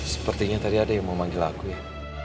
sepertinya tadi ada yang mau manggil aku ya